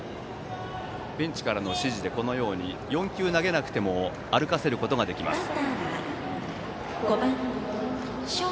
ベンチからの指示で４球投げなくても歩かせることができます。